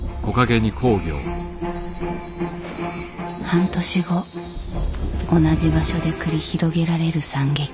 半年後同じ場所で繰り広げられる惨劇。